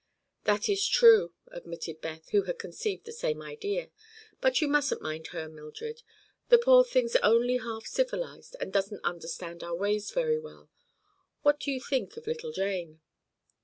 "That is true," admitted Beth, who had conceived the same idea; "but you mustn't mind her, Mildred. The poor thing's only half civilized and doesn't understand our ways very well. What do you think of little Jane?"